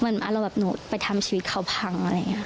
มาเราแบบหนูไปทำชีวิตเขาพังอะไรอย่างนี้